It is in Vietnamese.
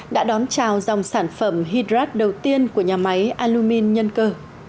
đã đón chào dòng sản phẩm hydrat đầu tiên của nhà máy alumin nhân cơ